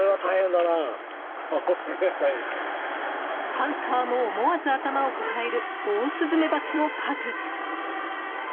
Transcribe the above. ハンターも思わず頭を抱えるオオスズメバチの数。